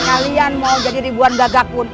kalian mau jadi ribuan gagapu